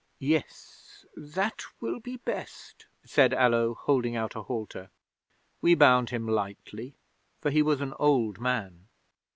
'"Yes, that will be best," said Allo, holding out a halter. We bound him lightly, for he was an old man.